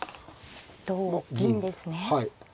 同銀ですね。